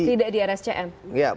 tidak di rsjm